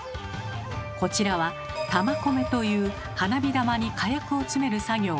こちらは玉込めという花火玉に火薬を詰める作業をする場所。